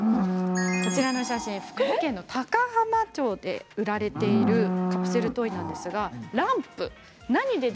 こちらの写真は福井県の高浜町で売られているカプセルトイなんですがランプですね。